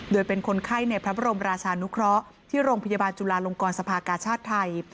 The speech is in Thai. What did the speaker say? โดยเป็นคนไข้ในพระบรมราชานุเคราะห์ที่โรงพยาบาลจุลาลงกรสภากาชาติไทย